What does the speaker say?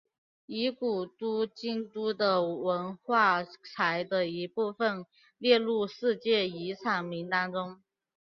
以古都京都的文化财的一部份列入世界遗产名单中。